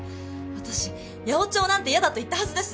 私八百長なんて嫌だと言ったはずです。